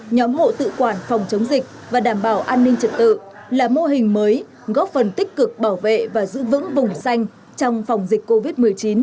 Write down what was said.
nhóm hộ tự quản phòng chống dịch và đảm bảo an ninh trật tự là mô hình mới góp phần tích cực bảo vệ và giữ vững vùng xanh trong phòng dịch covid một mươi chín